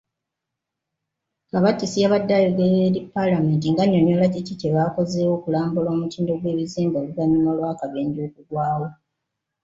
Kabatsi yabadde ayogerako eri Palamenti ng'annyonnyola kiki kyebakozeewo okulambula omutindo gw'ebizimbe oluvanyuma lw'akabenje akaagwawo.